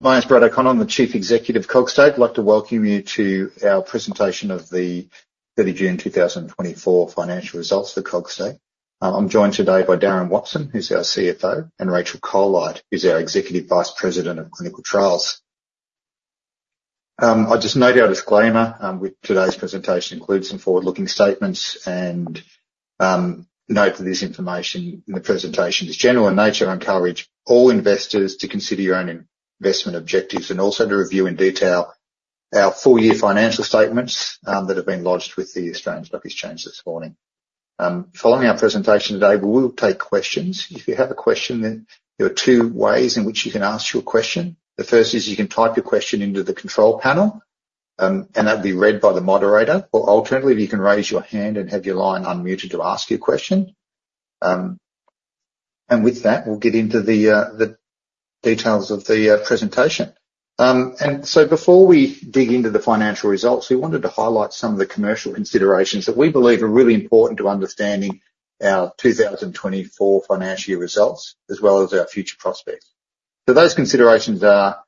My name is Brad O'Connor. I'm the Chief Executive of Cogstate. I'd like to welcome you to our presentation of the 30 June 2024 financial results for Cogstate. I'm joined today by Darren Watson, who's our CFO, and Rachel Colite, who's our Executive Vice President of Clinical Trials. I'll just note our disclaimer, with today's presentation includes some forward-looking statements and, note that this information in the presentation is general in nature. I encourage all investors to consider your own investment objectives and also to review in detail our full year financial statements, that have been lodged with the Australian Securities Exchange this morning. Following our presentation today, we will take questions. If you have a question, then there are two ways in which you can ask your question. The first is you can type your question into the control panel, and that'll be read by the moderator, or alternatively, you can raise your hand and have your line unmuted to ask your question. And with that, we'll get into the details of the presentation. And so before we dig into the financial results, we wanted to highlight some of the commercial considerations that we believe are really important to understanding our 2024 financial year results, as well as our future prospects. So those considerations are,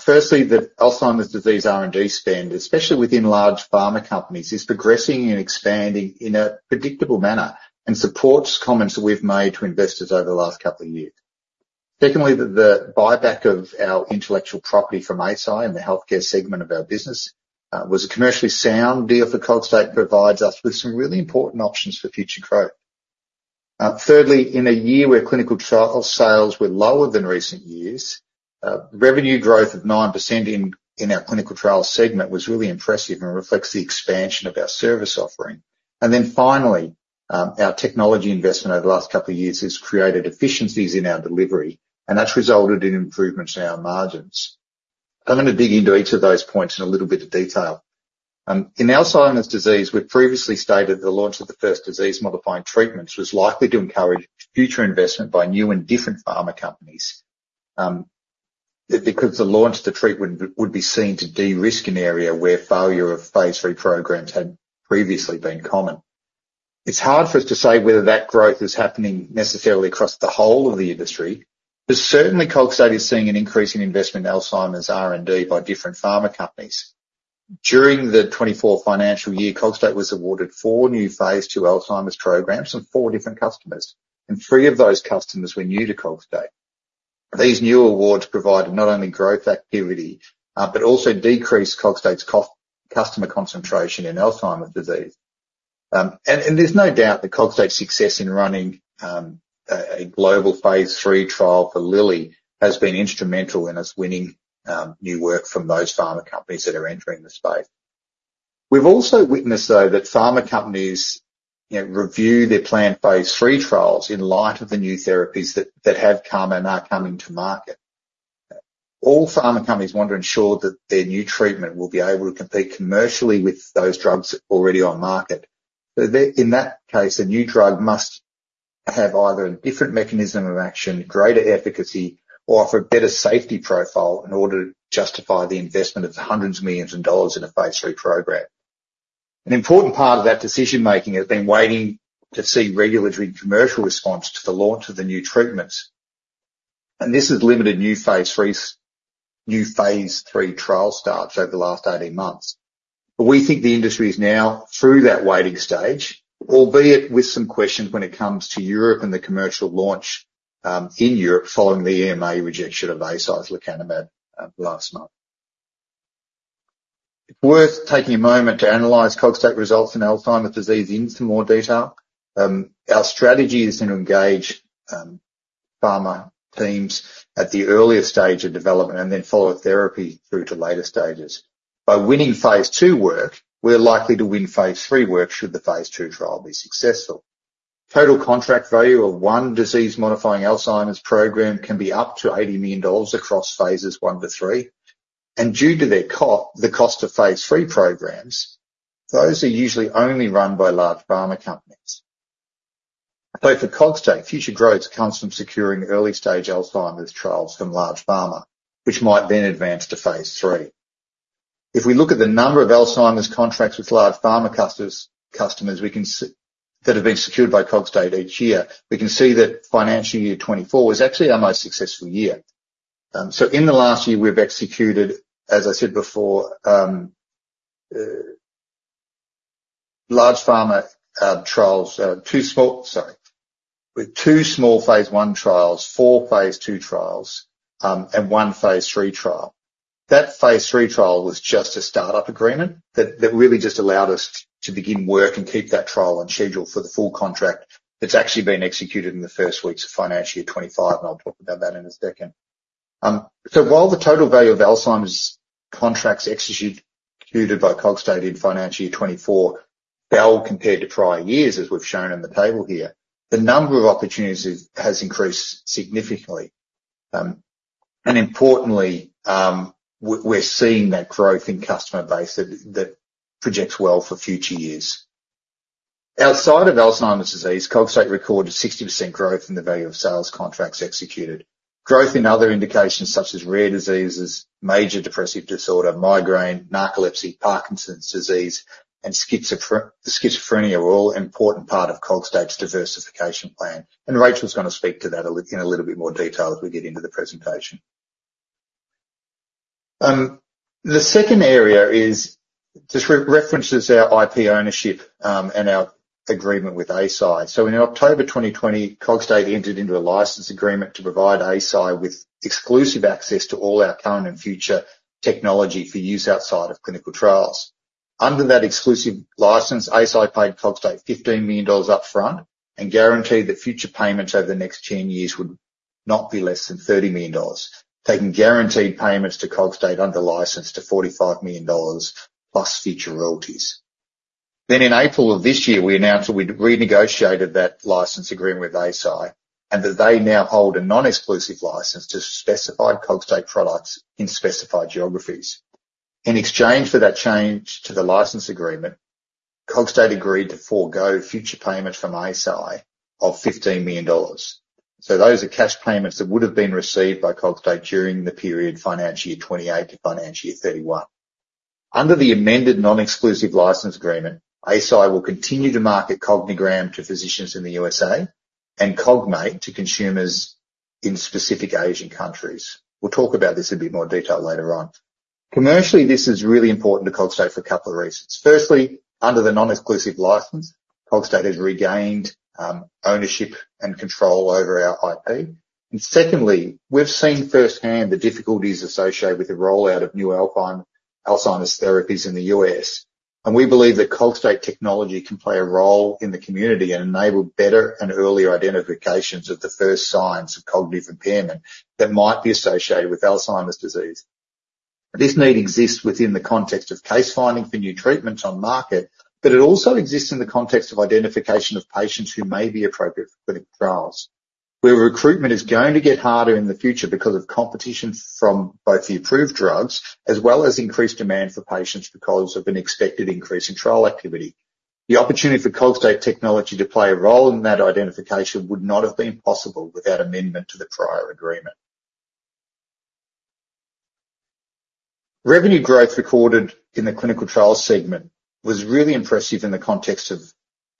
firstly, that Alzheimer's disease R&D spend, especially within large pharma companies, is progressing and expanding in a predictable manner and supports comments that we've made to investors over the last couple of years. Secondly, the buyback of our intellectual property from Eisai and the healthcare segment of our business was a commercially sound deal for Cogstate, provides us with some really important options for future growth. Thirdly, in a year where clinical trial sales were lower than recent years, revenue growth of 9% in our clinical trials segment was really impressive and reflects the expansion of our service offering. And then finally, our technology investment over the last couple of years has created efficiencies in our delivery, and that's resulted in improvements in our margins. I'm gonna dig into each of those points in a little bit of detail. In Alzheimer's disease, we've previously stated the launch of the first disease-modifying treatments was likely to encourage future investment by new and different pharma companies, because the launch of the treatment would be seen to de-risk an area where failure of phase III programs had previously been common. It's hard for us to say whether that growth is happening necessarily across the whole of the industry, but certainly Cogstate is seeing an increase in investment in Alzheimer's R&D by different pharma companies. During the 2024 financial year, Cogstate was awarded four new phase II Alzheimer's programs from four different customers, and three of those customers were new to Cogstate. These new awards provided not only growth activity, but also decreased Cogstate's customer concentration in Alzheimer's disease. There's no doubt that Cogstate's success in running a global phase III trial for Lilly has been instrumental in us winning new work from those pharma companies that are entering the space. We've also witnessed, though, that pharma companies, you know, review their planned phase III trials in light of the new therapies that have come and are coming to market. All pharma companies want to ensure that their new treatment will be able to compete commercially with those drugs already on market. In that case, a new drug must have either a different mechanism of action, greater efficacy, or offer a better safety profile in order to justify the investment of hundreds of millions of dollars in a phase III program. An important part of that decision-making has been waiting to see regulatory commercial response to the launch of the new treatments, and this has limited new phase III trial starts over the last 18 months. But we think the industry is now through that waiting stage, albeit with some questions when it comes to Europe and the commercial launch in Europe, following the EMA rejection of Eisai's lecanemab last month. It's worth taking a moment to analyze Cogstate results in Alzheimer's disease in some more detail. Our strategy is to engage pharma teams at the earliest stage of development and then follow therapy through to later stages. By winning phase II work, we're likely to win phase III work should the phase II trial be successful. Total contract value of one disease-modifying Alzheimer's program can be up to 80 million dollars across phase I to phase III, and due to the cost of phase III programs, those are usually only run by large pharma companies. So for Cogstate, future growth comes from securing early-stage Alzheimer's trials from large pharma, which might then advance to phase III. If we look at the number of Alzheimer's contracts with large pharma customers that have been secured by Cogstate each year, we can see that financial year 2024 was actually our most successful year. So in the last year, we've executed, as I said before, large pharma trials. Sorry. With two small phase I trials, four phase II trials, and one phase III trial. That phase III trial was just a start-up agreement that really just allowed us to begin work and keep that trial on schedule for the full contract that's actually been executed in the first weeks of financial year 2025, and I'll talk about that in a second. So while the total value of Alzheimer's contracts executed by Cogstate in financial year 2024 fell compared to prior years, as we've shown in the table here, the number of opportunities has increased significantly. And importantly, we're seeing that growth in customer base that projects well for future years. Outside of Alzheimer's disease, Cogstate recorded 60% growth in the value of sales contracts executed. Growth in other indications such as rare diseases, major depressive disorder, migraine, narcolepsy, Parkinson's disease, and schizophrenia, are all an important part of Cogstate's diversification plan, and Rachel's gonna speak to that in a little bit more detail as we get into the presentation. The second area is, just references our IP ownership, and our agreement with Eisai. So in October 2020, Cogstate entered into a license agreement to provide Eisai with exclusive access to all our current and future technology for use outside of clinical trials. Under that exclusive license, Eisai paid Cogstate AUD 15 million upfront and guaranteed that future payments over the next 10 years would not be less than AUD 30 million, taking guaranteed payments to Cogstate under license to AUD 45 million, plus future royalties. Then in April of this year, we announced that we'd renegotiated that license agreement with Eisai, and that they now hold a non-exclusive license to specified Cogstate products in specified geographies. In exchange for that change to the license agreement, Cogstate agreed to forgo future payments from Eisai of 15 million dollars. So those are cash payments that would have been received by Cogstate during the period financial year 2028 to financial year 2031. Under the amended non-exclusive license agreement, Eisai will continue to market Cognigram to physicians in the USA and Cogmate to consumers in specific Eisaian countries. We'll talk about this in a bit more detail later on. Commercially, this is really important to Cogstate for a couple of reasons. Firstly, under the non-exclusive license, Cogstate has regained ownership and control over our IP. Secondly, we've seen firsthand the difficulties associated with the rollout of new anti-Alzheimer's therapies in the U.S., and we believe that Cogstate technology can play a role in the community and enable better and earlier identifications of the first signs of cognitive impairment that might be associated with Alzheimer's disease. This need exists within the context of case finding for new treatments on market, but it also exists in the context of identification of patients who may be appropriate for clinical trials, where recruitment is going to get harder in the future because of competition from both the approved drugs, as well as increased demand for patients because of an expected increase in trial activity. The opportunity for Cogstate technology to play a role in that identification would not have been possible without amendment to the prior agreement. Revenue growth recorded in the clinical trials segment was really impressive in the context of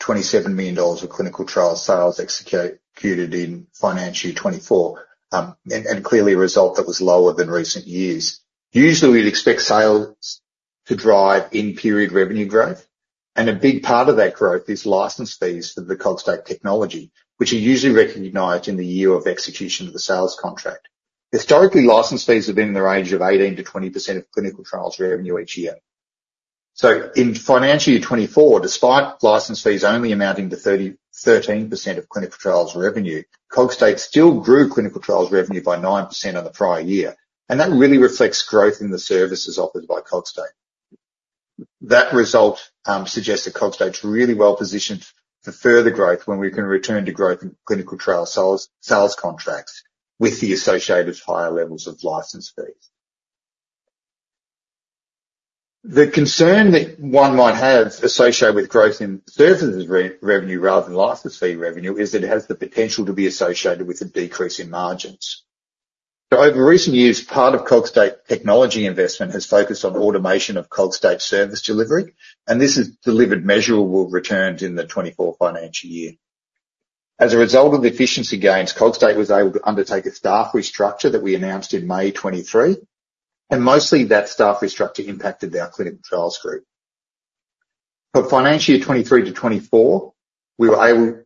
27 million dollars of clinical trial sales executed in financial year 2024, and clearly a result that was lower than recent years. Usually, we'd expect sales to drive in period revenue growth, and a big part of that growth is license fees for the Cogstate technology, which are usually recognized in the year of execution of the sales contract. Historically, license fees have been in the range of 18%-20% of clinical trials revenue each year, so in financial year 2024, despite license fees only amounting to 13% of clinical trials revenue, Cogstate still grew clinical trials revenue by 9% on the prior year, and that really reflects growth in the services offered by Cogstate. That result suggests that Cogstate's really well positioned for further growth when we can return to growth in clinical trial sales contracts with the associated higher levels of license fees. The concern that one might have associated with growth in services revenue rather than license fee revenue is it has the potential to be associated with a decrease in margins. Over recent years, part of Cogstate technology investment has focused on automation of Cogstate service delivery, and this has delivered measurable returns in the 2024 financial year. As a result of the efficiency gains, Cogstate was able to undertake a staff restructure that we announced in May 2023, and mostly that staff restructure impacted our clinical trials group. For financial year 2023-2024, we were able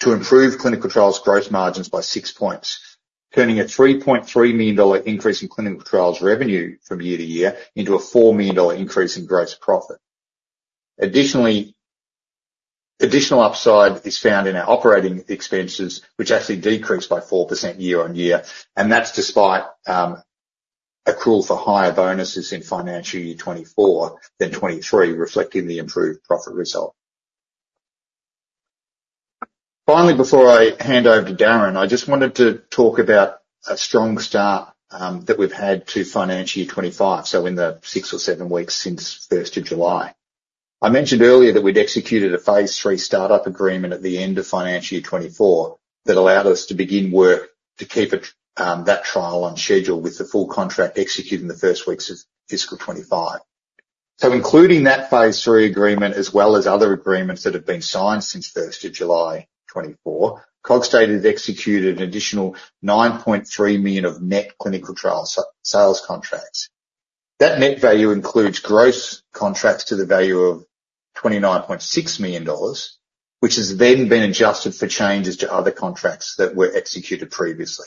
to improve clinical trials gross margins by six points, turning a 3.3 million dollar increase in clinical trials revenue from year to year into a 4 million dollar increase in gross profit. Additionally, additional upside is found in our operating expenses, which actually decreased by 4% year-on-year, and that's despite accrual for higher bonuses in financial year 2024 than 2023, reflecting the improved profit result. Finally, before I hand over to Darren, I just wanted to talk about a strong start that we've had to financial year 2025, so in the six or seven weeks since first of July. I mentioned earlier that we'd executed a phase III start-up agreement at the end of financial year 2024, that allowed us to begin work to keep it, that trial on schedule with the full contract executed in the first weeks of fiscal 2025. So including that phase III agreement, as well as other agreements that have been signed since first of July 2024, Cogstate has executed an additional 9.3 million of net clinical trial sales contracts. That net value includes gross contracts to the value of 29.6 million dollars, which has then been adjusted for changes to other contracts that were executed previously.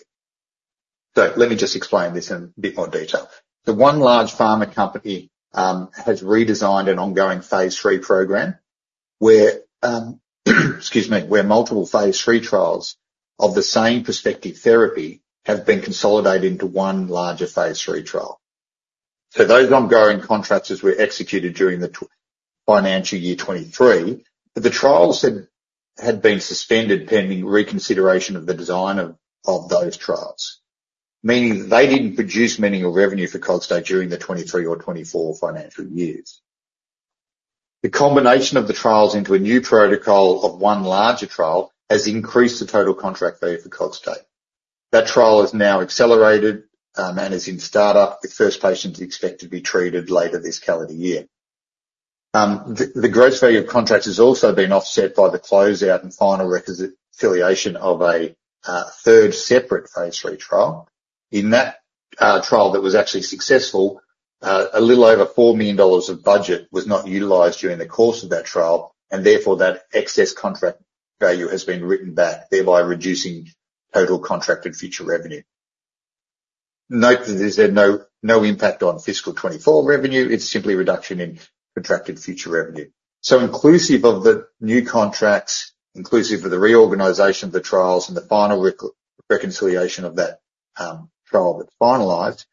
So let me just explain this in a bit more detail. The one large pharma company has redesigned an ongoing phase III program where, excuse me, where multiple phase III trials of the same prospective therapy have been consolidated into one larger phase III trial. So those ongoing contracts were executed during the 2023 financial year, but the trials had been suspended pending reconsideration of the design of those trials, meaning that they didn't produce meaningful revenue for Cogstate during the 2023 or 2024 financial years. The combination of the trials into a new protocol of one larger trial has increased the total contract value for Cogstate. That trial is now accelerated and is in start-up, with first patients expected to be treated later this calendar year. The gross value of contracts has also been offset by the closeout and final reconciliation of a third separate phase III trial. In that trial that was actually successful, a little over 4 million dollars of budget was not utilized during the course of that trial, and therefore, that excess contract value has been written back, thereby reducing total contracted future revenue. Note that there's no impact on fiscal 2024 revenue. It's simply a reduction in contracted future revenue, so inclusive of the new contracts, inclusive of the reorganization of the trials and the final reconciliation of that trial that's finalized,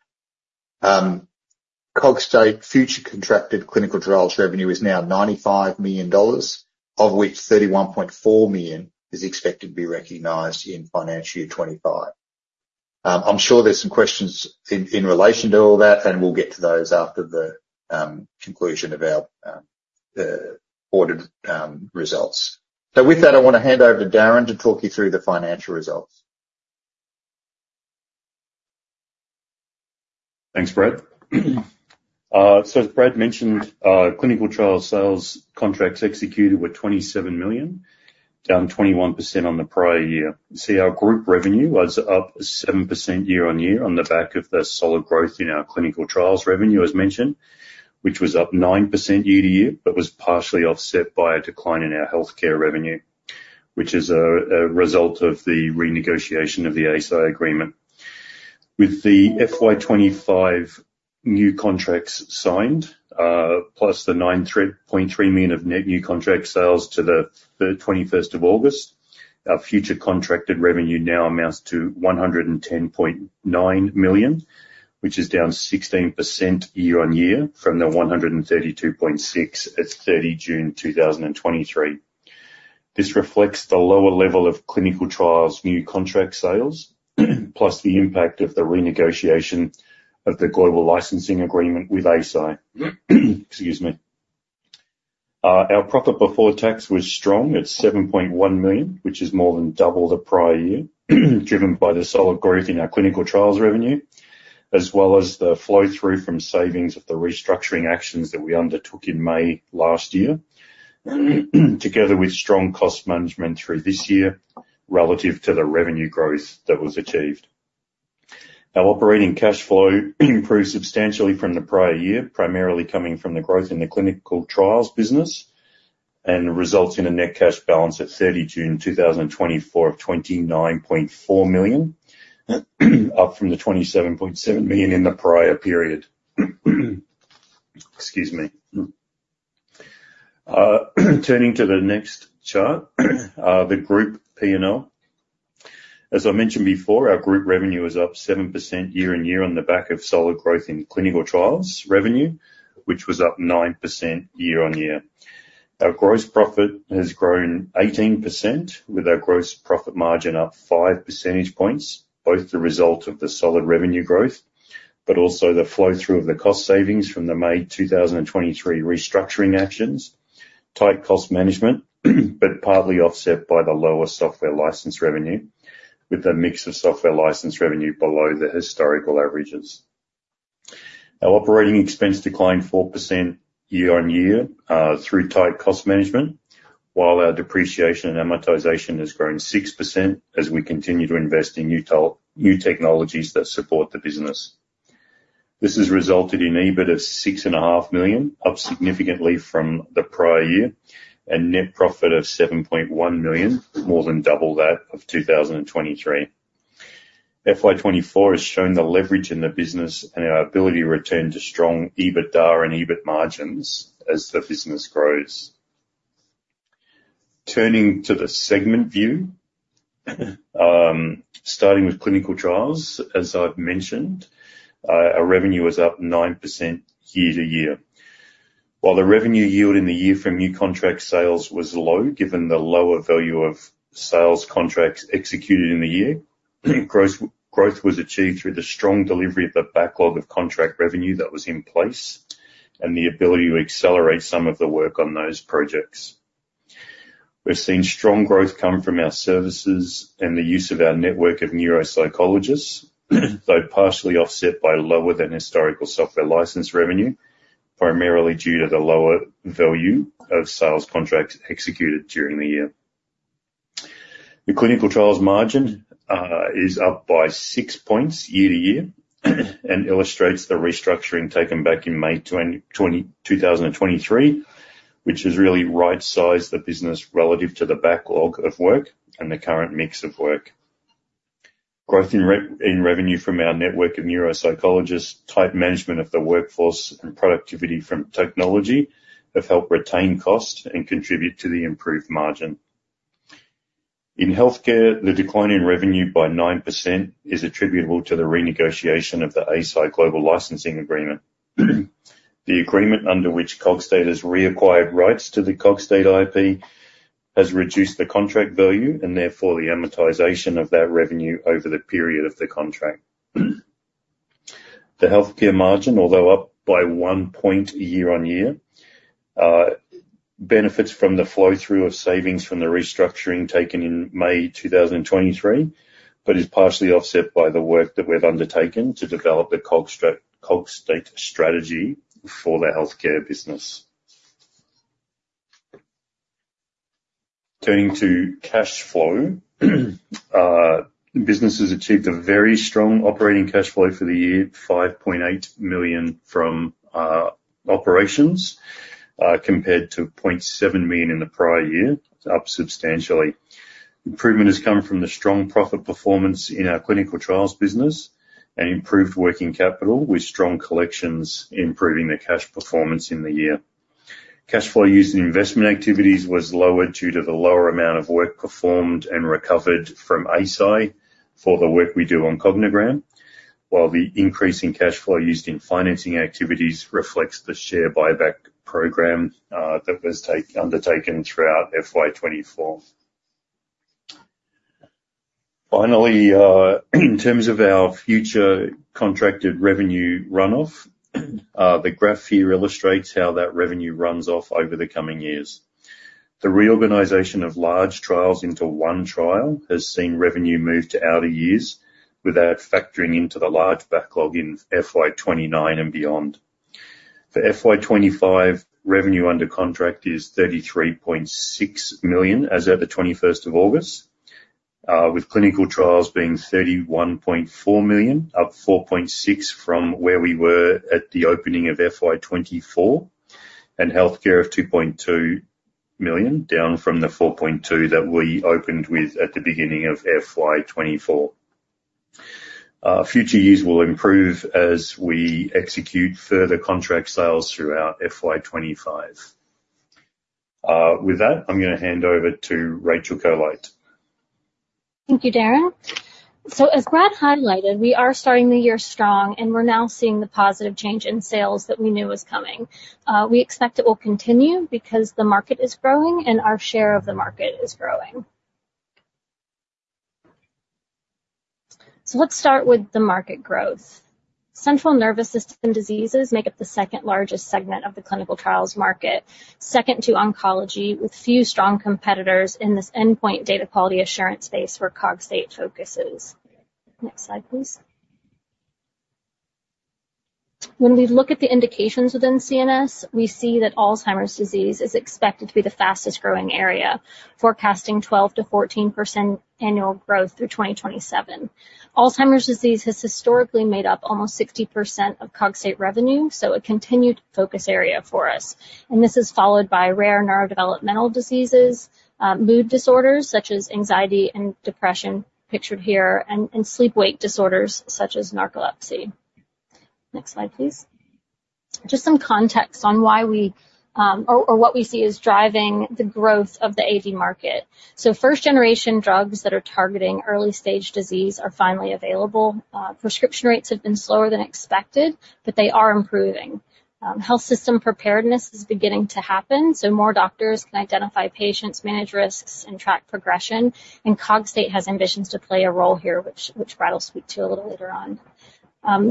Cogstate future contracted clinical trials revenue is now 95 million dollars, of which 31.4 million is expected to be recognized in financial year 2025. I'm sure there's some questions in relation to all that, and we'll get to those after the conclusion of our audit results. So with that, I want to hand over to Darren to talk you through the financial results. Thanks, Brad. So as Brad mentioned, clinical trial sales contracts executed were 27 million, down 21% on the prior year. You see our group revenue was up 7% year-on-year on the back of the solid growth in our clinical trials revenue, as mentioned, which was up 9% year-to-year, but was partially offset by a decline in our healthcare revenue, which is a result of the renegotiation of the Eisai agreement. With the FY 2025 new contracts signed, plus the 9.3 million of net new contract sales to the 31st of August, our future contracted revenue now amounts to 110.9 million, which is down 16% year-on-year from the 132.6 at 30 June 2023. This reflects the lower level of clinical trials new contract sales, plus the impact of the renegotiation of the global licensing agreement with Eisai. Our profit before tax was strong at 7.1 million, which is more than double the prior year, driven by the solid growth in our clinical trials revenue, as well as the flow-through from savings of the restructuring actions that we undertook in May last year, together with strong cost management through this year relative to the revenue growth that was achieved. Our operating cash flow improved substantially from the prior year, primarily coming from the growth in the clinical trials business, and results in a net cash balance at 30th June 2024 of 29.4 million, up from the 27.7 million in the prior period. Turning to the next chart, the group PNL. As I mentioned before, our group revenue is up 7% year-on-year on the back of solid growth in clinical trials revenue, which was up 9% year-on-year. Our gross profit has grown 18%, with our gross profit margin up five percentage points, both the result of the solid revenue growth but also the flow-through of the cost savings from the May 2023 restructuring actions, tight cost management, but partly offset by the lower software license revenue, with a mix of software license revenue below the historical averages. Our operating expense declined 4% year-on-year through tight cost management, while our depreciation and amortization has grown 6% as we continue to invest in new technologies that support the business. This has resulted in EBIT of 6.5 million, up significantly from the prior year, and net profit of 7.1 million, more than double that of 2023. FY 2024 has shown the leverage in the business and our ability to return to strong EBITDA and EBIT margins as the business grows. Turning to the segment view, starting with clinical trials, as I've mentioned, our revenue is up 9% year-to-year. While the revenue yield in the year from new contract sales was low, given the lower value of sales contracts executed in the year, growth was achieved through the strong delivery of the backlog of contract revenue that was in place and the ability to accelerate some of the work on those projects. We've seen strong growth come from our services and the use of our network of neuropsychologists, though partially offset by lower than historical software license revenue, primarily due to the lower value of sales contracts executed during the year. The clinical trials margin is up by six points year-to-year and illustrates the restructuring taken back in May 2023, which has really right-sized the business relative to the backlog of work and the current mix of work. Growth in revenue from our network of neuropsychologists, tight management of the workforce, and productivity from technology have helped retain cost and contribute to the improved margin. In healthcare, the decline in revenue by 9% is attributable to the renegotiation of the Eisai global licensing agreement. The agreement, under which Cogstate has reacquired rights to the Cogstate IP, has reduced the contract value and therefore, the amortization of that revenue over the period of the contract. The healthcare margin, although up by one point year-on-year, benefits from the flow-through of savings from the restructuring taken in May 2023, but is partially offset by the work that we've undertaken to develop the Cogstate strategy for the healthcare business. Turning to cash flow, businesses achieved a very strong operating cash flow for the year, 5.8 million from operations, compared to 0.7 million in the prior year, up substantially. Improvement has come from the strong profit performance in our clinical trials business and improved working capital, with strong collections improving the cash performance in the year. Cash flow used in investment activities was lower due to the lower amount of work performed and recovered from Eisai for the work we do on Cognigram, while the increase in cash flow used in financing activities reflects the share buyback program that was undertaken throughout FY 2024. Finally, in terms of our future contracted revenue runoff, the graph here illustrates how that revenue runs off over the coming years. The reorganization of large trials into one trial has seen revenue move to outer years without factoring into the large backlog in FY 2029 and beyond. The FY 2025 revenue under contract is 33.6 million, as at the 21st of August, with clinical trials being 31.4 million, up 4.6 millionfrom where we were at the opening of FY 2024, and healthcare of 2.2 million, down from the 4.2 million that we opened with at the beginning of FY 2024. Future years will improve as we execute further contract sales throughout FY 2025. With that, I'm going to hand over to Rachel Colite. Thank you, Darren. So as Brad highlighted, we are starting the year strong, and we're now seeing the positive change in sales that we knew was coming. We expect it will continue because the market is growing and our share of the market is growing. So let's start with the market growth. Central nervous system diseases make up the second largest segment of the clinical trials market, second to oncology, with few strong competitors in this endpoint data quality assurance space where Cogstate focuses. Next slide, please. When we look at the indications within CNS, we see that Alzheimer's disease is expected to be the fastest growing area, forecasting 12%-14% annual growth through 2027. Alzheimer's disease has historically made up almost 60% of Cogstate revenue, so a continued focus area for us, and this is followed by rare neurodevelopmental diseases, mood disorders such as anxiety and depression, pictured here, and sleep-wake disorders such as narcolepsy. Next slide, please. Just some context on what we see as driving the growth of the AD market, so first-generation drugs that are targeting early stage disease are finally available. Prescription rates have been slower than expected, but they are improving. Health system preparedness is beginning to happen, so more doctors can identify patients, manage risks, and track progression, and Cogstate has ambitions to play a role here, which Brad will speak to a little later on.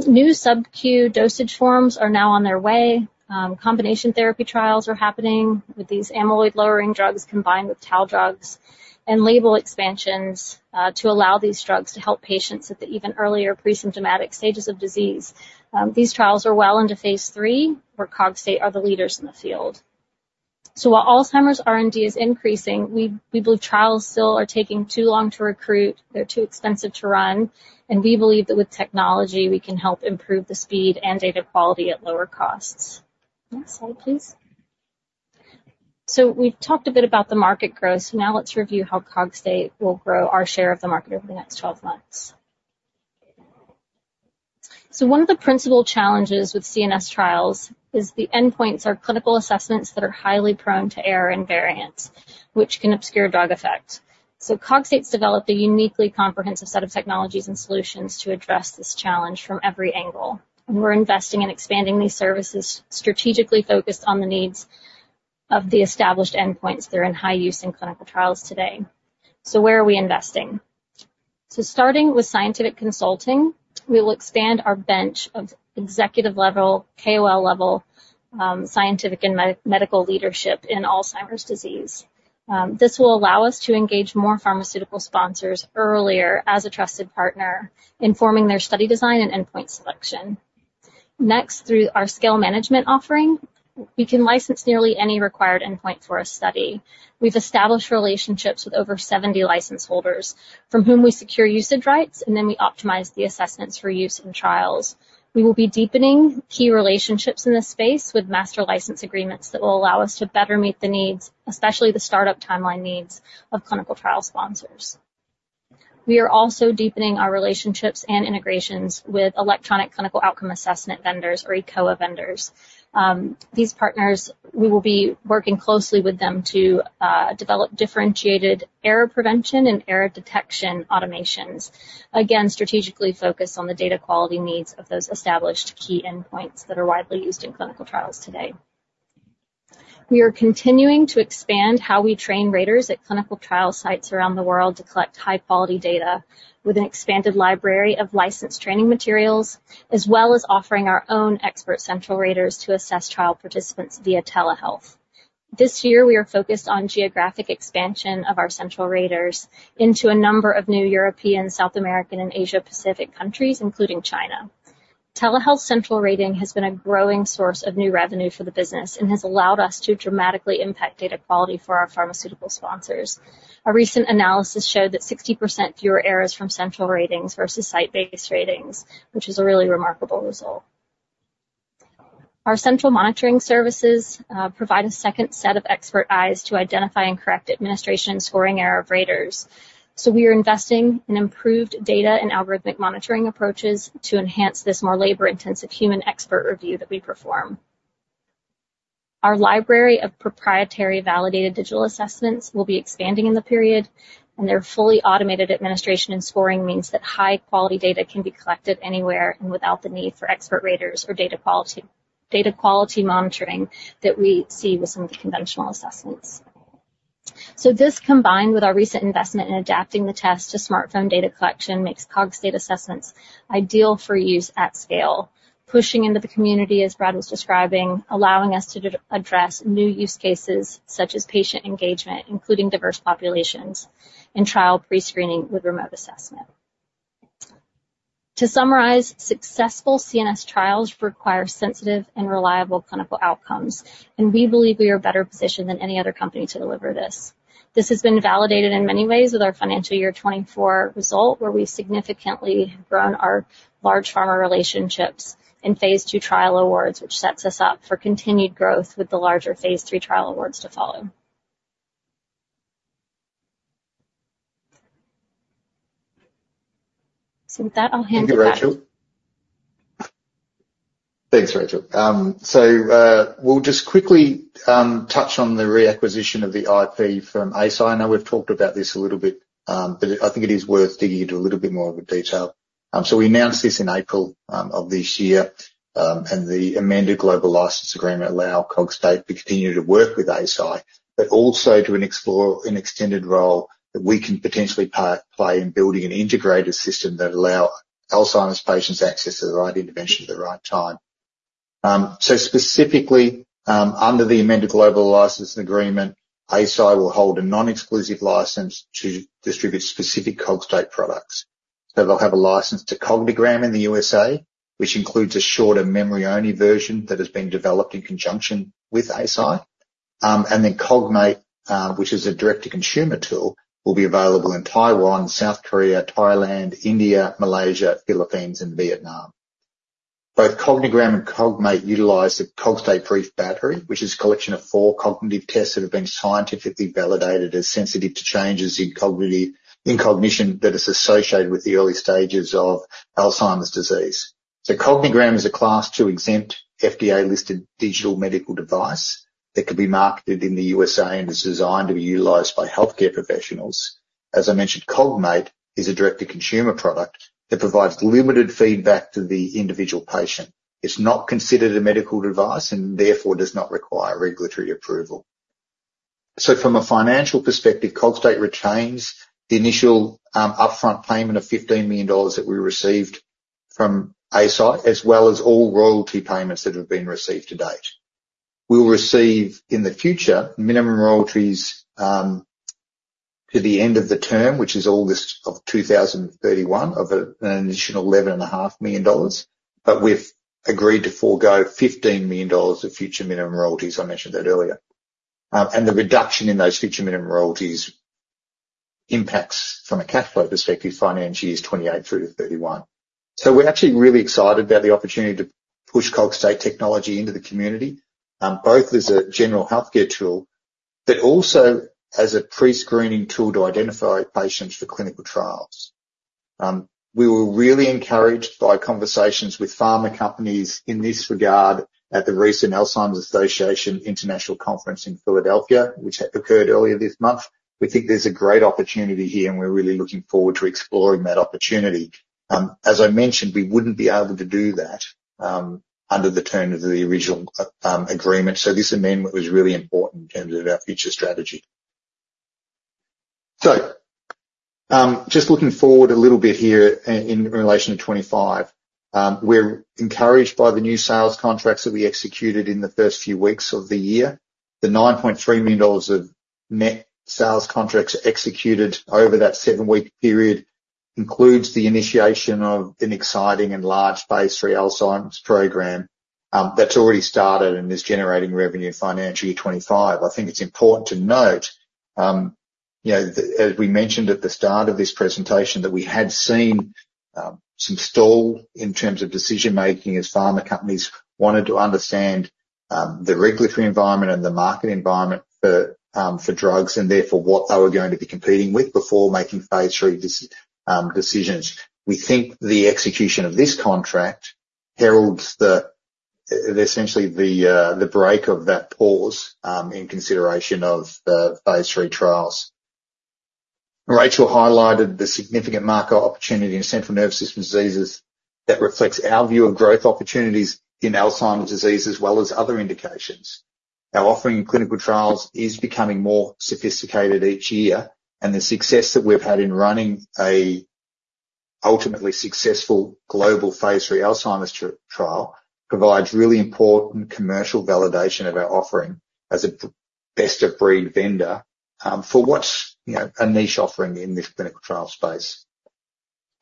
New sub-q dosage forms are now on their way. Combination therapy trials are happening with these amyloid-lowering drugs, combined with tau drugs and label expansions, to allow these drugs to help patients at the even earlier presymptomatic stages of disease. These trials are well into phase III, where Cogstate are the leaders in the field. So while Alzheimer's R&D is increEisaing, we believe trials still are taking too long to recruit, they're too expensive to run, and we believe that with technology, we can help improve the speed and data quality at lower costs. Next slide, please. So we've talked a bit about the market growth. So now let's review how Cogstate will grow our share of the market over the next 12 months. So one of the principal challenges with CNS trials is the endpoints are clinical assessments that are highly prone to error and variance, which can obscure drug effect. Cogstate's developed a uniquely comprehensive set of technologies and solutions to address this challenge from every angle. We're investing in expanding these services, strategically focused on the needs of the established endpoints that are in high use in clinical trials today. Where are we investing? Starting with scientific consulting, we will expand our bench of executive-level, KOL-level, scientific, and medical leadership in Alzheimer's disease. This will allow us to engage more pharmaceutical sponsors earlier as a trusted partner in forming their study design and endpoint selection. Next, through our scale management offering, we can license nearly any required endpoint for a study. We've established relationships with over 70 license holders from whom we secure usage rights, and then we optimize the assessments for use in trials. We will be deepening key relationships in this space with master license agreements that will allow us to better meet the needs, especially the startup timeline needs, of clinical trial sponsors. We are also deepening our relationships and integrations with electronic clinical outcome assessment vendors, or eCOA vendors. These partners, we will be working closely with them to develop differentiated error prevention and error detection automations. Again, strategically focused on the data quality needs of those established key endpoints that are widely used in clinical trials today. We are continuing to expand how we train raters at clinical trial sites around the world to collect high quality data with an expanded library of licensed training materials, as well as offering our own expert central raters to assess trial participants via telehealth. This year, we are focused on geographic expansion of our central raters into a number of new European, South American, and Eisaia-Pacific countries, including China. Telehealth central rating has been a growing source of new revenue for the business and has allowed us to dramatically impact data quality for our pharmaceutical sponsors. A recent analysis showed that 60% fewer errors from central ratings versus site-based ratings, which is a really remarkable result. Our central monitoring services provide a second set of expert eyes to identify and correct administration and scoring error of raters. So we are investing in improved data and algorithmic monitoring approaches to enhance this more labor-intensive human expert review that we perform. Our library of proprietary validated digital assessments will be expanding in the period, and their fully automated administration and scoring means that high-quality data can be collected anywhere and without the need for expert raters or data quality monitoring that we see with some of the conventional assessments. So this, combined with our recent investment in adapting the test to smartphone data collection, makes Cogstate assessments ideal for use at scale, pushing into the community, as Brad was describing, allowing us to address new use cases such as patient engagement, including diverse populations, and trial pre-screening with remote assessment. To summarize, successful CNS trials require sensitive and reliable clinical outcomes, and we believe we are better positioned than any other company to deliver this. This has been validated in many ways with our financial year 2024 result, where we've significantly grown our large pharma relationships in phase II trial awards, which sets us up for continued growth with the larger phase III trial awards to follow. So with that, I'll hand it back. Thank you. Thanks, Rachel. So, we'll just quickly touch on the reacquisition of the IP from Eisai. I know we've talked about this a little bit, but I think it is worth digging into a little bit more of a detail. So we announced this in April of this year, and the amended global license agreement allow Cogstate to continue to work with Eisai, but also to explore an extended role that we can potentially play in building an integrated system that allow Alzheimer's patients access to the right intervention at the right time. So specifically, under the amended global licensing agreement, Eisai will hold a non-exclusive license to distribute specific Cogstate products. So they'll have a license to Cognigram in the USA, which includes a shorter memory-only version that has been developed in conjunction with Eisai. And then Cogmate, which is a direct-to-consumer tool, will be available in Taiwan, South Korea, Thailand, India, Malaysia, Philippines, and Vietnam. Both Cognigram and Cogmate utilize the Cogstate Brief Battery, which is a collection of four cognitive tests that have been scientifically validated as sensitive to changes in cognition that is associated with the early stages of Alzheimer's disease. So Cognigram is a Class II exempt, FDA-listed digital medical device that can be marketed in the USA and is designed to be utilized by healthcare professionals. As I mentioned, Cogmate is a direct-to-consumer product that provides limited feedback to the individual patient. It's not considered a medical device and therefore does not require regulatory approval. So from a financial perspective, Cogstate retains the initial, upfront payment of 15 million dollars that we received from Eisai, as well as all royalty payments that have been received to date. We'll receive, in the future, minimum royalties, to the end of the term, which is August of 2031, of an additional 11.5 million dollars, but we've agreed to forego 15 million dollars of future minimum royalties. I mentioned that earlier. And the reduction in those future minimum royalties impacts from a cash flow perspective, financial years 2028 through to 2031. So we're actually really excited about the opportunity to push Cogstate technology into the community, both as a general healthcare tool but also as a pre-screening tool to identify patients for clinical trials. We were really encouraged by conversations with pharma companies in this regard at the recent Alzheimer's Association International Conference in Philadelphia, which occurred earlier this month. We think there's a great opportunity here, and we're really looking forward to exploring that opportunity. As I mentioned, we wouldn't be able to do that under the terms of the original agreement, so this amendment was really important in terms of our future strategy, so just looking forward a little bit here in relation to 2025. We're encouraged by the new sales contracts that we executed in the first few weeks of the year. The 9.3 million dollars of net sales contracts executed over that seven-week period includes the initiation of an exciting and large phase III Alzheimer's program that's already started and is generating revenue in financial year 2025. I think it's important to note, you know, as we mentioned at the start of this presentation, that we had seen some stall in terms of decision-making as pharma companies wanted to understand the regulatory environment and the market environment for drugs, and therefore what they were going to be competing with before making phase III decisions. We think the execution of this contract heralds essentially the break of that pause in consideration of the phase III trials. Rachel highlighted the significant market opportunity in central nervous system diseases that reflects our view of growth opportunities in Alzheimer's disease, as well as other indications. Our offering in clinical trials is becoming more sophisticated each year, and the success that we've had in running a ultimately successful global phase III Alzheimer's trial provides really important commercial validation of our offering as a best-of-breed vendor for what's, you know, a niche offering in this clinical trial space.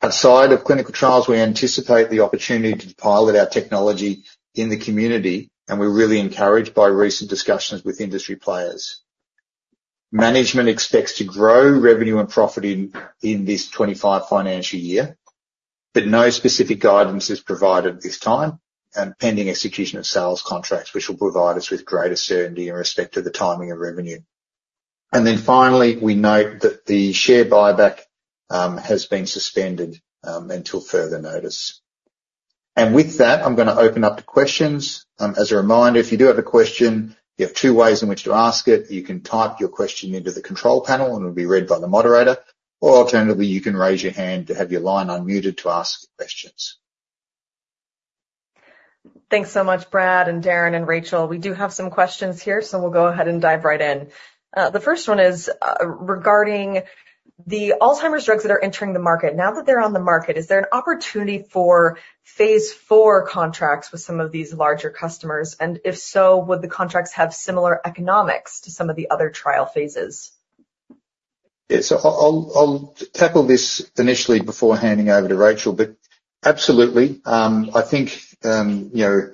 Outside of clinical trials, we anticipate the opportunity to pilot our technology in the community, and we're really encouraged by recent discussions with industry players. Management expects to grow revenue and profit in this 2025 financial year, but no specific guidance is provided at this time, and pending execution of sales contracts, which will provide us with greater certainty in respect to the timing of revenue. Then finally, we note that the share buyback has been suspended until further notice. With that, I'm gonna open up to questions. As a reminder, if you do have a question, you have two ways in which to ask it. You can type your question into the control panel, and it'll be read by the moderator, or alternatively, you can raise your hand to have your line unmuted to ask questions. Thanks so much, Brad and Darren and Rachel. We do have some questions here, so we'll go ahead and dive right in. The first one is regarding the Alzheimer's drugs that are entering the market. Now that they're on the market, is there an opportunity for phase IV contracts with some of these larger customers? And if so, would the contracts have similar economics to some of the other trial phases? Yeah. So I'll tackle this initially before handing over to Rachel, but absolutely, I think, you know,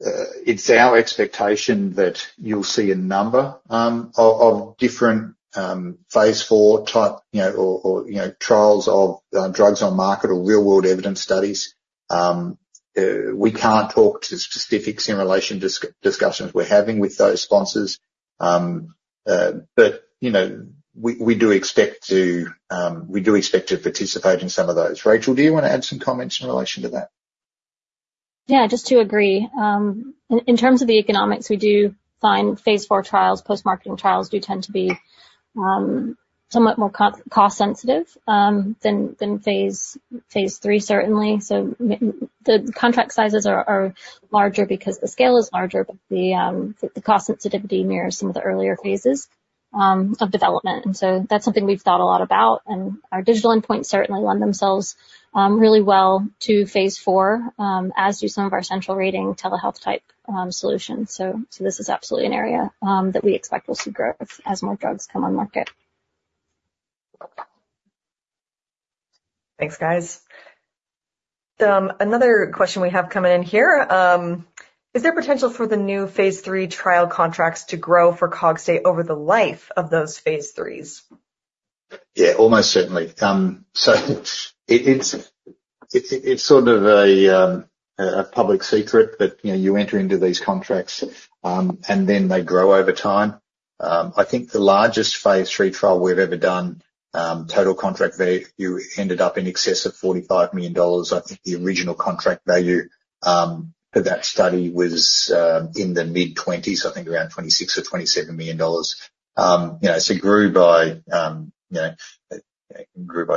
it's our expectation that you'll see a number of different phase IV type, you know, or, you know, trials of drugs on market or real-world evidence studies. We can't talk to the specifics in relation to discussions we're having with those sponsors. But, you know, we do expect to participate in some of those. Rachel, do you wanna add some comments in relation to that? Yeah, just to agree. In terms of the economics, we do find phase IV trials, post-marketing trials, do tend to be somewhat more cost sensitive than phase III, certainly. So the contract sizes are larger because the scale is larger, but the cost sensitivity mirrors some of the earlier phases of development. And so that's something we've thought a lot about, and our digital endpoint certainly lend themselves really well to phase IV, as do some of our central rating telehealth type solutions. So this is absolutely an area that we expect will see growth as more drugs come on market. Thanks, guys. Another question we have coming in here. Is there potential for the new phase III trial contracts to grow for Cogstate over the life of those phase IIIs? Yeah, almost certainly. So it's sort of a public secret that, you know, you enter into these contracts, and then they grow over time. I think the largest phase III trial we've ever done, total contract value ended up in excess of 45 million dollars. I think the original contract value for that study was in the mid-twenties, I think around 26 million or 27 million dollars. You know, so it grew by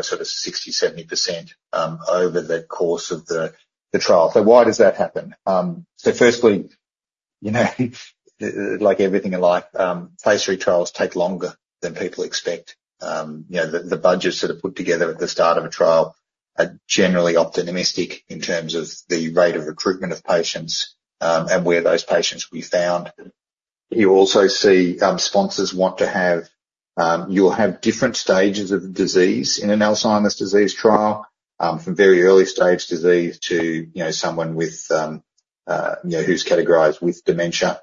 sort of 60%-70% over the course of the trial. So why does that happen? So firstly, you know, like everything in life, phase III trials take longer than people expect. You know, the budgets that are put together at the start of a trial are generally optimistic in terms of the rate of recruitment of patients, and where those patients will be found. You also see, sponsors want to have. You'll have different stages of the disease in an Alzheimer's disease trial, from very early-stage disease to, you know, someone with, you know, who's categorized with dementia.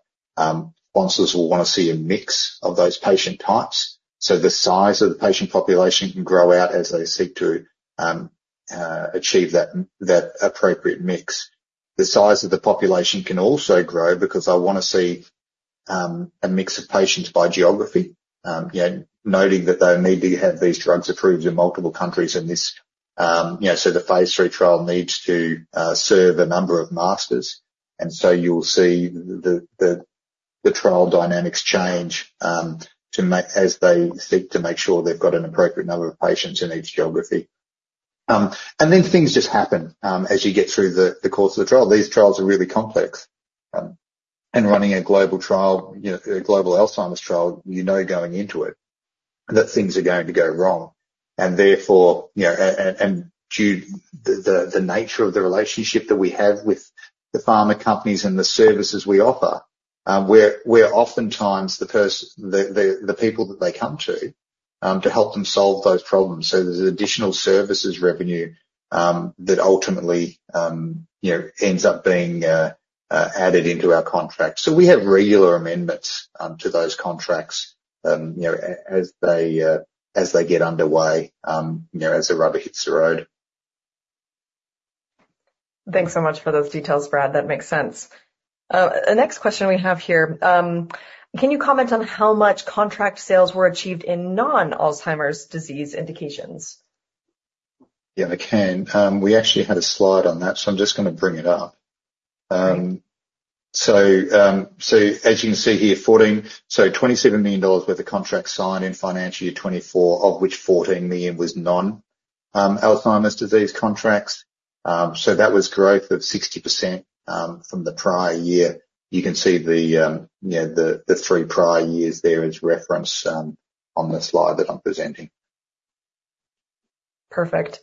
Sponsors will wanna see a mix of those patient types, so the size of the patient population can grow out as they seek to achieve that appropriate mix. The size of the population can also grow because I wanna see a mix of patients by geography, you know, noting that they'll need to have these drugs approved in multiple countries and this... You know, so the phase III trial needs to serve a number of masters, and so you'll see the trial dynamics change as they seek to make sure they've got an appropriate number of patients in each geography. And then things just happen as you get through the course of the trial. These trials are really complex. And running a global trial, you know, a global Alzheimer's trial, you know, going into it, that things are going to go wrong, and therefore, you know, due to the nature of the relationship that we have with the pharma companies and the services we offer, we're oftentimes the people that they come to to help them solve those problems. So there's additional services revenue that ultimately, you know, ends up being added into our contract. So we have regular amendments to those contracts, you know, as they get underway, you know, as the rubber hits the road. Thanks so much for those details, Brad. That makes sense. The next question we have here: Can you comment on how much contract sales were achieved in non-Alzheimer's disease indications? Yeah, I can. We actually had a slide on that, so I'm just gonna bring it up. So as you can see here, 14. So 27 million dollars worth of contracts signed in financial year 2024, of which 14 million was non-Alzheimer's disease contracts. So that was growth of 60% from the prior year. You can see the, you know, the three prior years there as reference on the slide that I'm presenting. Perfect.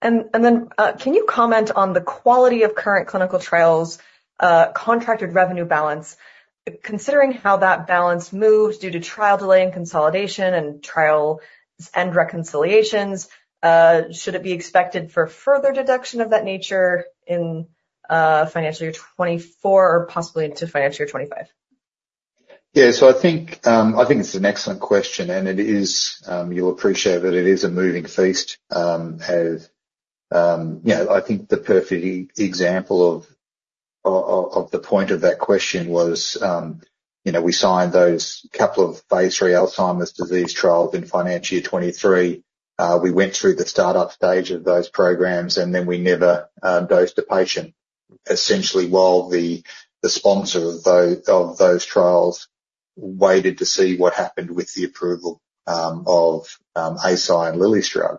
And then, can you comment on the quality of current clinical trials, contracted revenue balance, considering how that balance moves due to trial delay and consolidation and trial and reconciliations, should it be expected for further deduction of that nature in financial year 2024 or possibly into financial year 2025? Yeah. So I think I think it's an excellent question, and it is. You'll appreciate that it is a moving feast. As you know, I think the perfect example of the point of that question was, you know, we signed those couple of phase III Alzheimer's disease trials in financial year 2023. We went through the start-up stage of those programs, and then we never dosed a patient. Essentially, while the sponsor of those trials waited to see what happened with the approval of Eisai and Lilly's drug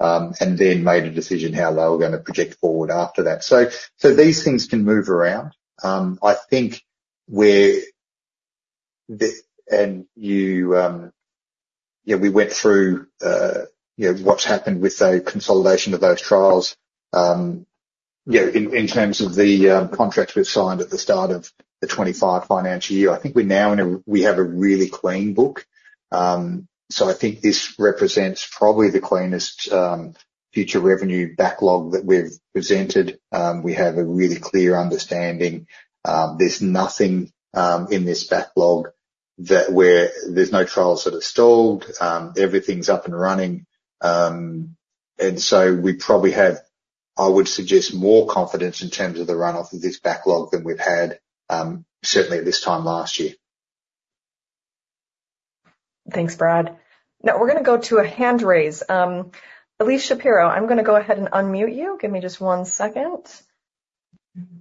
and then made a decision how they were gonna project forward after that, so these things can move around. I think where the... You, yeah, we went through, you know, what's happened with the consolidation of those trials, you know, in terms of the contracts we've signed at the start of the 2025 financial year. I think we're now in. We have a really clean book. So I think this represents probably the cleanest future revenue backlog that we've presented. We have a really clear understanding. There's nothing in this backlog where there's no trials that are stalled. Everything's up and running. And so we probably have, I would suggest, more confidence in terms of the run-off of this backlog than we've had, certainly at this time last year. Thanks, Brad. Now, we're gonna go to a hand raise. Elyse Shapiro, I'm gonna go ahead and unmute you. Give me just one second.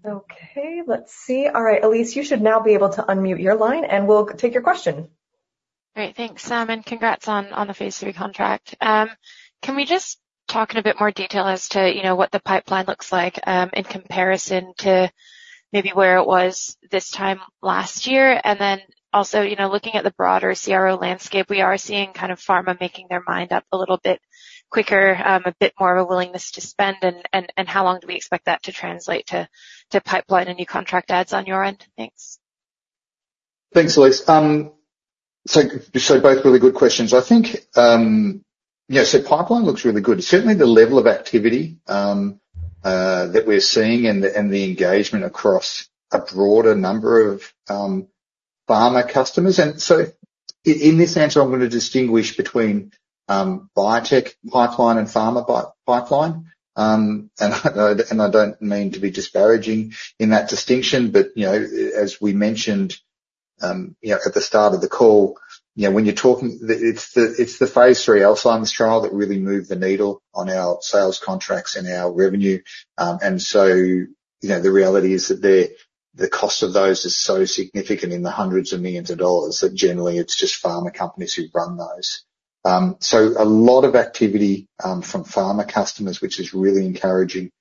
Okay, let's see. All right, Elyse, you should now be able to unmute your line, and we'll take your question. Great. Thanks, Sam, and congrats on the phase III contract. Can we just talk in a bit more detail as to, you know, what the pipeline looks like, in comparison to maybe where it was this time last year? And then also, you know, looking at the broader CRO landscape, we are seeing kind of pharma making their mind up a little bit quicker, a bit more of a willingness to spend, and how long do we expect that to translate to pipeline and new contract adds on your end? Thanks. Thanks, Elyse. So, so both really good questions. I think, you know, so pipeline looks really good. Certainly, the level of activity that we're seeing and the engagement across a broader number of pharma customers. And so in this answer, I'm gonna distinguish between biotech pipeline and pharma pipeline. And I know, and I don't mean to be disparaging in that distinction, but, you know, as we mentioned, you know, at the start of the call, you know, when you're talking. It's the phase III Alzheimer's trial that really moved the needle on our sales contracts and our revenue. And so, you know, the reality is that the cost of those is so significant in the hundreds of millions of dollars that generally it's just pharma companies who run those. So a lot of activity from pharma customers, which is really encouraging.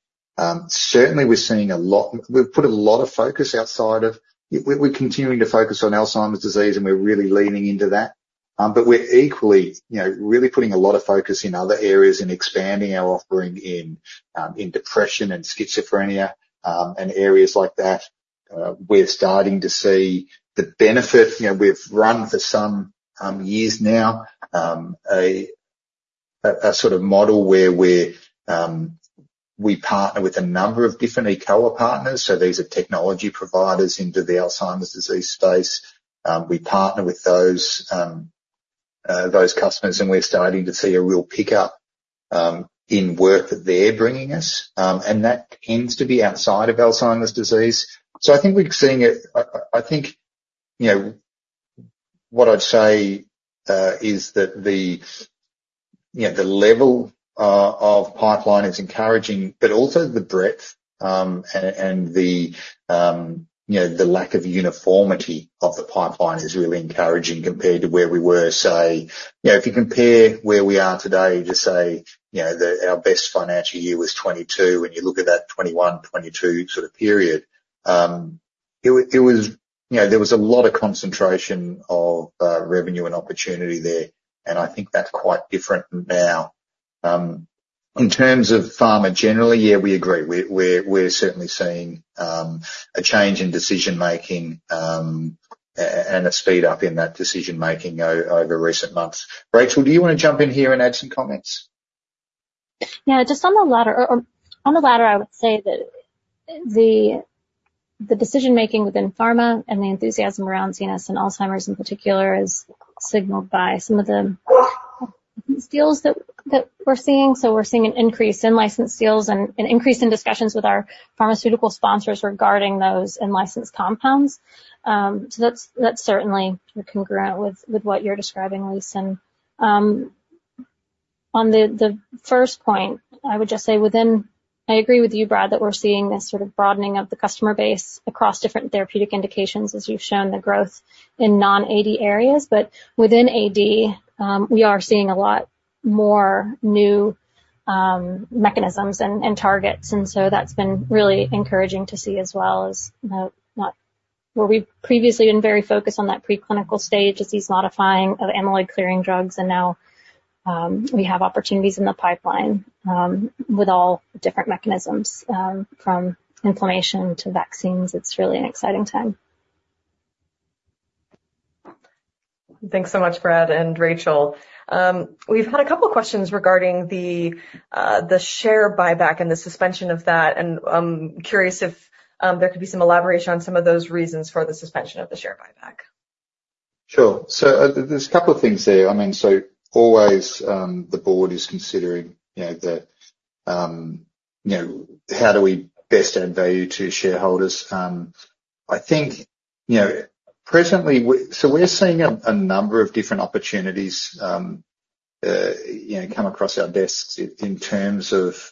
Certainly, we're seeing a lot. We've put a lot of focus outside of. We're continuing to focus on Alzheimer's disease, and we're really leaning into that. But we're equally, you know, really putting a lot of focus in other areas and expanding our offering in depression and schizophrenia and areas like that. We're starting to see the benefit. You know, we've run for some years now a sort of model where we partner with a number of different Eisai partners, so these are technology providers into the Alzheimer's disease space. We partner with those customers, and we're starting to see a real pickup in work that they're bringing us, and that tends to be outside of Alzheimer's disease. So I think we're seeing it. I think, you know, what I'd say is that, you know, the level of pipeline is encouraging, but also the breadth and the, you know, the lack of uniformity of the pipeline is really encouraging compared to where we were, say. You know, if you compare where we are today to, say, you know, our best financial year was 2022, when you look at that 2021, 2022 sort of period, it was. You know, there was a lot of concentration of revenue and opportunity there, and I think that's quite different now. In terms of pharma, generally, yeah, we agree. We're certainly seeing a change in decision-making and a speed-up in that decision-making over recent months. Rachel, do you wanna jump in here and add some comments? Yeah, just on the latter. Or on the latter, I would say that the decision-making within pharma and the enthusiasm around CNS and Alzheimer's in particular is signaled by some of the deals that we're seeing, so we're seeing an increase in licensed deals and an increase in discussions with our pharmaceutical sponsors regarding those in-licensed compounds. So that's certainly congruent with what you're describing, Elyse, and on the first point, I would just say I agree with you, Brad, that we're seeing this sort of broadening of the customer base across different therapeutic indications, as you've shown the growth in non-AD areas, but within AD we are seeing a lot more new mechanisms and targets, and so that's been really encouraging to see as well as not, where we've previously been very focused on that preclinical stage, disease modifying of amyloid clearing drugs, and now, we have opportunities in the pipeline, with all different mechanisms, from inflammation to vaccines. It's really an exciting time. Thanks so much, Brad and Rachel. We've had a couple of questions regarding the share buyback and the suspension of that, and I'm curious if there could be some elaboration on some of those reasons for the suspension of the share buyback. Sure. So, there are a couple of things there. I mean, so always, the board is considering, you know, the, you know, how do we best add value to shareholders? I think, you know, presently, we're seeing a number of different opportunities, you know, come across our desks in terms of,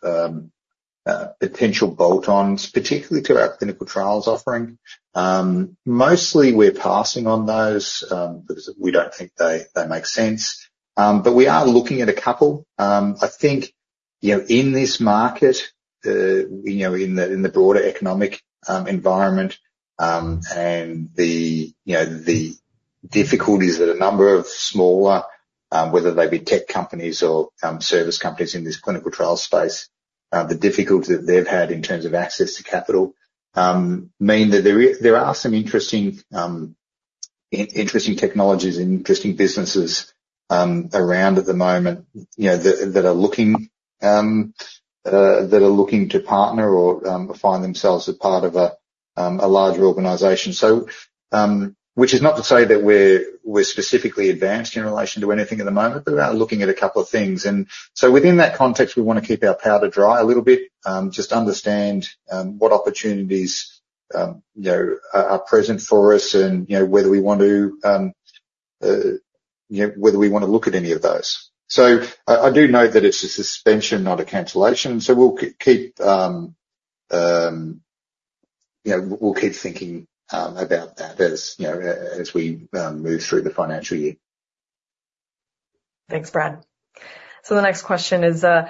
potential bolt-ons, particularly to our clinical trials offering. Mostly, we're passing on those, because we don't think they make sense. But we are looking at a couple. I think, you know, in this market, you know, in the broader economic environment, and the, you know, the difficulties that a number of smaller, whether they be tech companies or, service companies in this clinical trial space, the difficulty that they've had in terms of access to capital, means that there is. There are some interesting technologies and interesting businesses around at the moment, you know, that are looking to partner or, find themselves a part of a larger organization. So, which is not to say that we're specifically advanced in relation to anything at the moment, but we are looking at a couple of things, and so within that context, we wanna keep our powder dry a little bit. Just understand what opportunities, you know, are present for us and, you know, whether we wanna look at any of those. So I do note that it's a suspension, not a cancellation, so we'll keep thinking, you know, about that as, you know, as we move through the financial year. Thanks, Brad. The next question is, the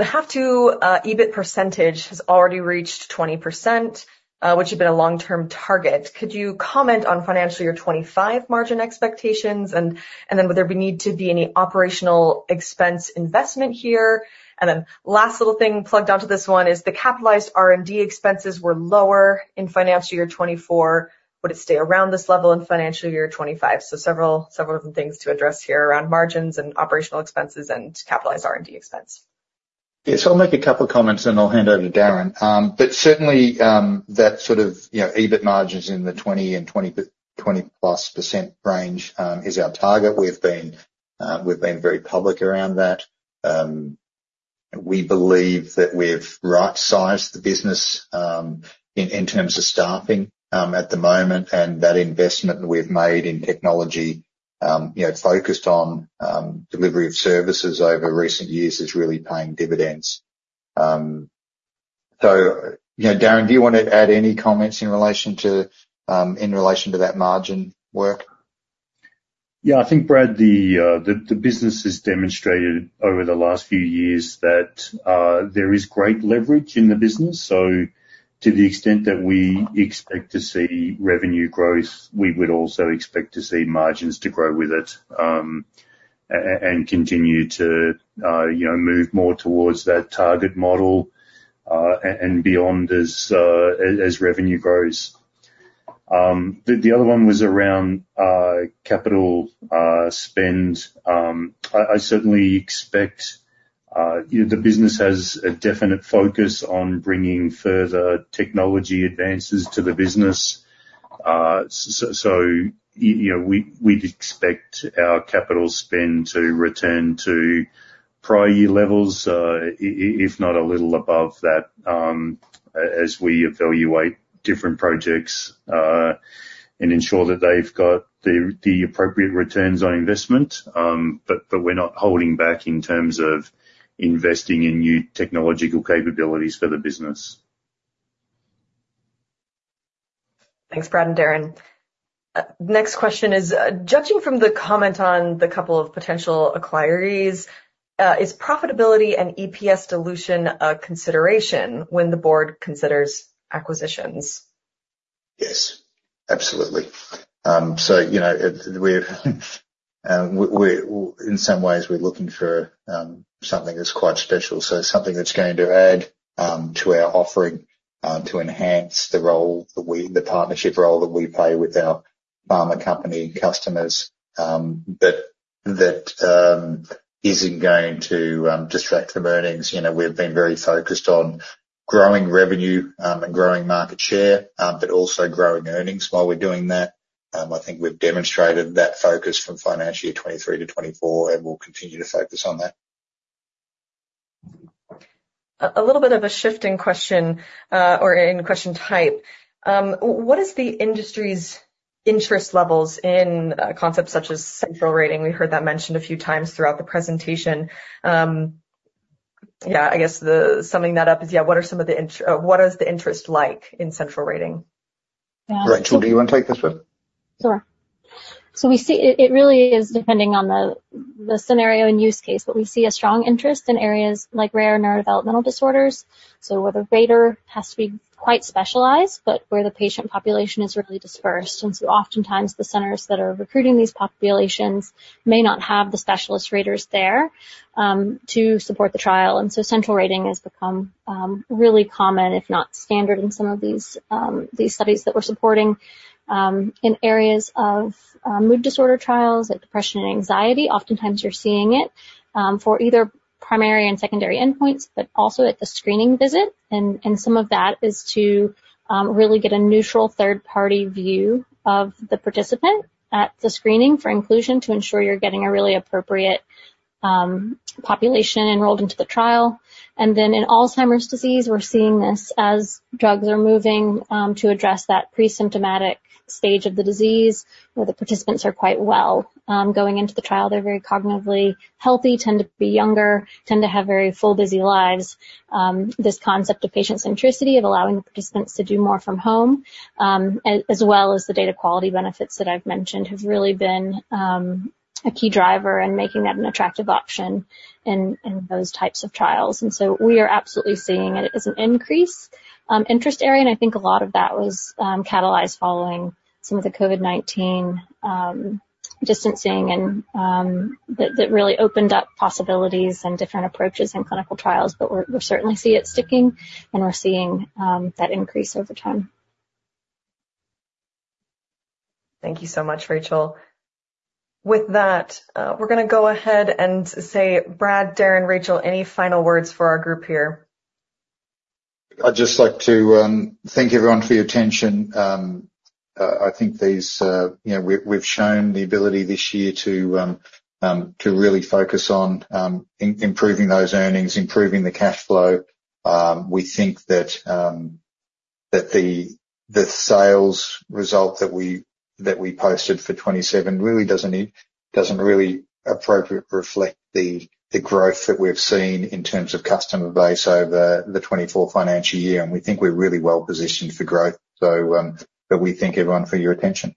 half two EBIT percentage has already reached 20%, which had been a long-term target. Could you comment on financial year 2025 margin expectations? And then would there be need to be any operational expense investment here? And then last little thing plugged onto this one is the capitalized R&D expenses were lower in financial year 2024. Would it stay around this level in financial year 2025? Several of the things to address here around margins and operational expenses and capitalized R&D expense. Yeah, so I'll make a couple comments, and I'll hand over to Darren, but certainly, that sort of, you know, EBIT margins in the 20%, +20% range is our target. We've been very public around that. We believe that we've right-sized the business in terms of staffing at the moment, and that investment we've made in technology, you know, focused on delivery of services over recent years is really paying dividends, so you know, Darren, do you want to add any comments in relation to that margin work? Yeah, I think, Brad, the business has demonstrated over the last few years that there is great leverage in the business, so to the extent that we expect to see revenue growth, we would also expect to see margins to grow with it, and continue to, you know, move more towards that target model, and beyond as revenue grows. The other one was around capital spend. I certainly expect, you know, the business has a definite focus on bringing further technology advances to the business. You know, we'd expect our capital spend to return to prior year levels, if not a little above that, as we evaluate different projects, and ensure that they've got the appropriate returns on investment. But we're not holding back in terms of investing in new technological capabilities for the business. Thanks, Brad and Darren. Next question is, judging from the comment on the couple of potential acquirees, is profitability and EPS dilution a consideration when the board considers acquisitions? Yes, absolutely, so you know, we're in some ways, we're looking for something that's quite special, so something that's going to add to our offering to enhance the role that we... the partnership role that we play with our pharma company and customers, but that isn't going to detract from earnings. You know, we've been very focused on growing revenue and growing market share, but also growing earnings while we're doing that. I think we've demonstrated that focus from financial year 2023-2024, and we'll continue to focus on that. A little bit of a shift in question, or in question type. What is the industry's interest levels in concepts such as central rating? We heard that mentioned a few times throughout the presentation. Yeah, I guess the summing that up is, yeah, what are some of the, what is the interest like in central rating? Yeah. Rachel, do you wanna take this one? Sure. So we see it. It really is depending on the scenario and use case, but we see a strong interest in areas like rare neurodevelopmental disorders, so where the rater has to be quite specialized, but where the patient population is really dispersed, and so oftentimes, the centers that are recruiting these populations may not have the specialist raters there to support the trial, and so central rating has become really common, if not standard, in some of these studies that we're supporting. In areas of mood disorder trials, like depression and anxiety, oftentimes you're seeing it for either primary and secondary endpoints, but also at the screening visit. Some of that is to really get a neutral third-party view of the participant at the screening for inclusion, to ensure you're getting a really appropriate population enrolled into the trial. And then in Alzheimer's disease, we're seeing this as drugs are moving to address that pre-symptomatic stage of the disease, where the participants are quite well. Going into the trial, they're very cognitively healthy, tend to be younger, tend to have very full, busy lives. This concept of patient centricity, of allowing the participants to do more from home, as well as the data quality benefits that I've mentioned, have really been a key driver in making that an attractive option in those types of trials. And so we are absolutely seeing it as an increase interest area, and I think a lot of that was catalyzed following some of the COVID-19 distancing and that really opened up possibilities and different approaches in clinical trials, but we're certainly see it sticking, and we're seeing that increase over time. Thank you so much, Rachel. With that, we're gonna go ahead and say, Brad, Darren, Rachel, any final words for our group here? I'd just like to thank everyone for your attention. I think these, you know, we've shown the ability this year to really focus on improving those earnings, improving the cash flow. We think that the sales result that we posted for 2027 really doesn't appropriately reflect the growth that we've seen in terms of customer base over the 2024 financial year, and we think we're really well-positioned for growth. But we thank everyone for your attention.